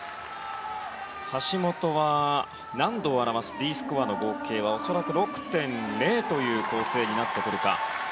橋本は難度を表すＤスコアの合計は恐らく６．０という構成になってくるか。